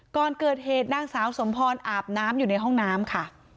ก่อนเกิดเหตุนางสาวสมพรอาบน้ำอยู่ในห้องน้ำค่ะ